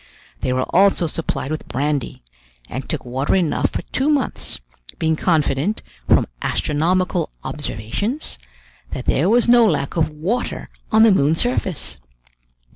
They were also supplied with brandy, and took water enough for two months, being confident, from astronomical observations, that there was no lack of water on the moon's surface.